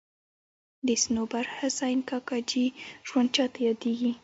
د صنوبر حسین کاکاجي ژوند چاته یادېږي.